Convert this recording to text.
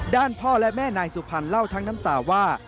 ด้านพ่อและแม่นายสุพรรณเล่าทั้งน้ำตาว่า